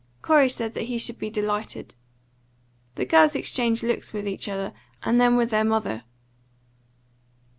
Corey said that he should be delighted. The girls exchanged looks with each other, and then with their mother.